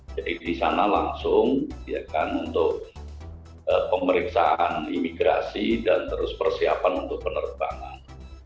jadi di sana langsung ya kan untuk pemeriksaan imigrasi dan terus persiapan untuk penerbangan